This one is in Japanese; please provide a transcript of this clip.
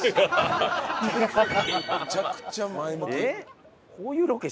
めちゃくちゃ前向き。